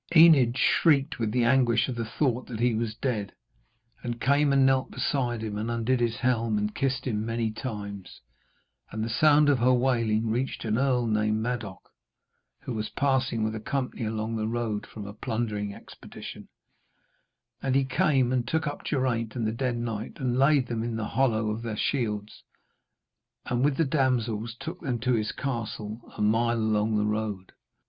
Enid shrieked with the anguish of the thought that he was dead, and came and knelt beside him and undid his helm and kissed him many times. And the sound of her wailing reached an earl named Madoc, who was passing with a company along the road from a plundering expedition, and he came and took up Geraint and the dead knight, and laid them in the hollow of their shields, and with the damsels took them to his castle a mile along the road.